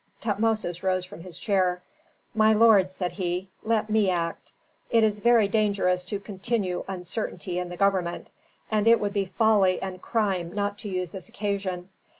Tutmosis rose from his chair. "My lord," said he, "let me act. It is very dangerous to continue uncertainty in the government, and it would be folly and crime not to use this occasion.